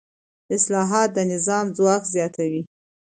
اصلاحات د نظام ځواک زیاتوي